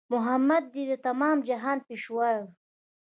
محمد دی د تمام جهان پېشوا